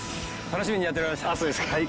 楽しみにやって参りました。